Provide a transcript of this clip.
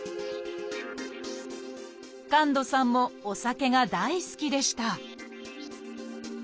神門さんもお酒が大好きでした